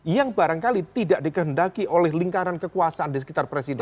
yang barangkali tidak dikehendaki oleh lingkaran kekuasaan di sekitar presiden